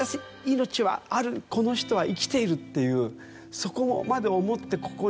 「この人は生きている」っていうそこまで思ってここに。